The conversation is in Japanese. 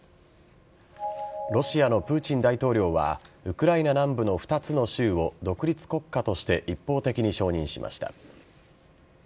ロシアのプーチン大統領はウクライナ南部の２つの州を独立国家として一方的に承認しました。